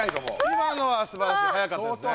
今のはすばらしい早かったですね。